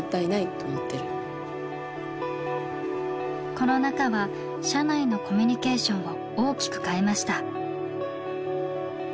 コロナ禍は社内のコミュニケーションを大きく変えました。